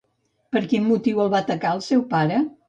Per quin motiu el va atacar el seu pare?